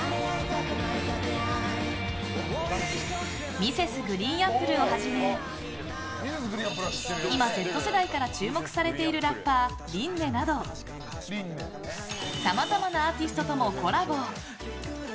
Ｍｒｓ．ＧＲＥＥＮＡＰＰＬＥをはじめ今、Ｚ世代から注目されているラッパー、Ｒｉｎ音などさまざまなアーティストともコラボ。